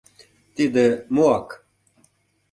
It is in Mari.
— Тиде моак...